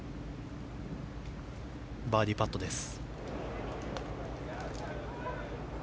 バーディーパットです。